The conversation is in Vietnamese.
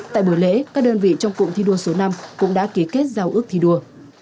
tại buổi lễ các đơn vị trong cục thí đua số năm cũng đã ký kết giao ước thí đua